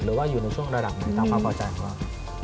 หรือว่าอยู่ในช่วงระดับไหนตามความพอใจของเรา